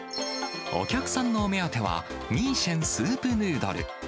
お客さんのお目当ては、ミーシェンスープヌードル。